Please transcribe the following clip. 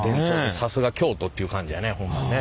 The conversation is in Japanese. さすが京都っていう感じやねホンマにね。